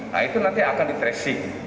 nah itu nanti akan di tracing